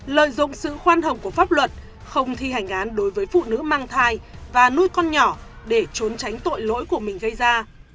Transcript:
lợi dụng sự khoan hồng của pháp luật không thi hành án đối với phụ nữ mang thai và nuôi con nhỏ để trốn tránh tội lỗi của mình gây ra